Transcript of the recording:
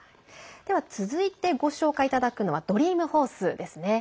続いて、ご紹介いただくのは「ドリーム・ホース」ですね。